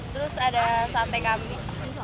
terus ada sate kami